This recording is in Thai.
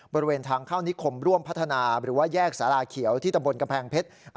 บริเวณทางเข้านิคมร่วมพัฒนาหรือว่าแยกสาราเขียวที่ตำบลกำแพงเพชร